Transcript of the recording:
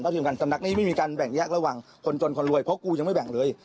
ที่สำคัญสำนักนี้ไม่มีการแบ่งแยกระหว่างคนจนคนรวยเพราะกูยังไม่แบ่งเลย